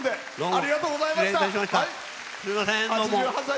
ありがとうございます。